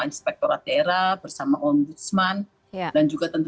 jadi kami sudah melakukan beberapa proses untuk menghormati bahwa sekarang ini